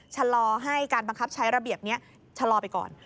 ชะลอให้การบังคับใช้ระเบียบนี้ชะลอไปก่อน